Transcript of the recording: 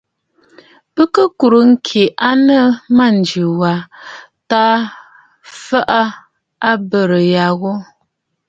Bɨ kɨ kùrə̂ ŋ̀kì a nɨ mânjì was tǎ fɔʼɔ abərə ya ghu.